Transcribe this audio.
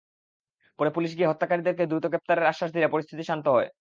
পরে পুলিশ গিয়ে হত্যাকারীদের দ্রুত গ্রেপ্তারের আশ্বাস দিলে পরিস্থিতি শান্ত হয়।